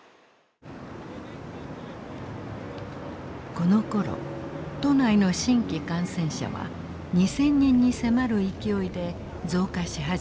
このころ都内の新規感染者は２，０００人に迫る勢いで増加し始めていた。